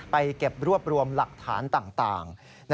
เก็บรวบรวมหลักฐานต่าง